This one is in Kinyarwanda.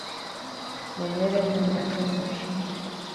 mu mpera y imyaka yacu